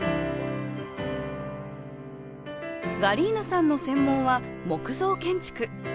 ガリーナさんの専門は木造建築。